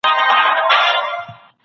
د شتمنو خلګو مسؤلیت ډېر زیات دی.